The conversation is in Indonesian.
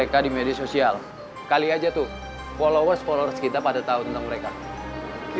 kalau kita mencoba ya nggak